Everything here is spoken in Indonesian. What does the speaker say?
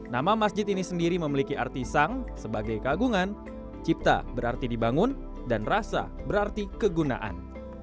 nama masjid ini sendiri memiliki arti sang sebagai kagungan cipta berarti dibangun dan rasa berarti kegunaan